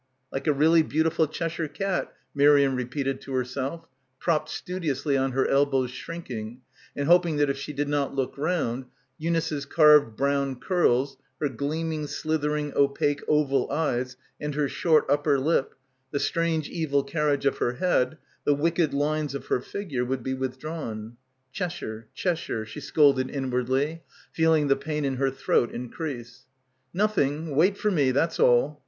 "Like a really beautiful Cheshire cat," Miriam repeated to herself, propped studiously on her elbows shrinking, and hoping that if she did not look round, Eunice's carved brown curls, her gleaming slithering opaque oval eyes and her short upper lip, the strange evil carriage of her head, the wicked lines of her figure, would be withdrawn. "Cheshire, Cheshire," she scolded inwardly, feel ing the pain in her throat increase. "Nothing. Wait for me. That's all.